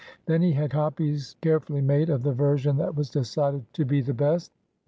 Then he had copies carefully made of the version that was decided to be the best.